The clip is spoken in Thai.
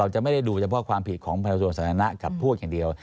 จะไม่ได้ดูเฉพาะความผิดของประชาชนสถานะกับพวกอย่างเดียว